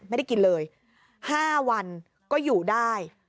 ไม่ได้กินเลย๕วันก็อยู่ได้